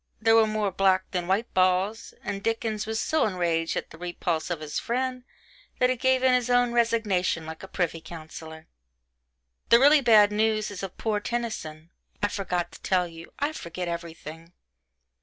There were more black than white balls, and Dickens was so enraged at the repulse of his friend that he gave in his own resignation like a privy councillor. But the really bad news is of poor Tennyson I forgot to tell you I forget everything.